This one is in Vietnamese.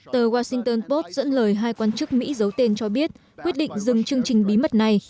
tờ washington pot dẫn lời hai quan chức mỹ giấu tên cho biết quyết định dừng chương trình bí mật này